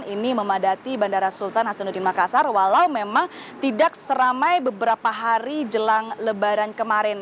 ini memadati bandara sultan hasanuddin makassar walau memang tidak seramai beberapa hari jelang lebaran kemarin